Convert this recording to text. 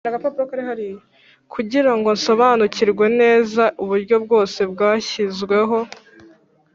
kugira ngo nsobanukirwe neza uburyo bwose bwashyizweho